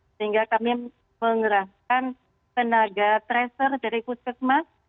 sehingga kami mengerahkan tenaga tracer dari puskesmas